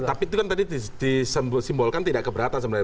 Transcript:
tapi itu kan tadi disimbolkan tidak keberatan sebenarnya